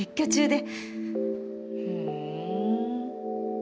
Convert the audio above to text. ふん。